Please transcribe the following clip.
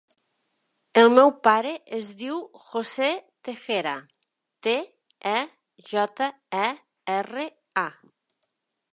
El meu pare es diu José Tejera: te, e, jota, e, erra, a.